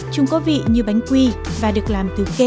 chúng có vị như bánh quy và được làm từ kê gạo và lúa mì